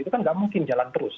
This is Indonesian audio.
itu kan nggak mungkin jalan terus